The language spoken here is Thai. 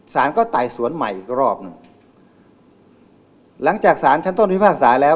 สารก็ไต่สวนใหม่อีกรอบหนึ่งหลังจากสารชั้นต้นพิพากษาแล้ว